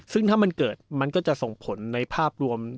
ซึ่งถ้ามันเกิดมันก็จะส่งผลในภาพรวม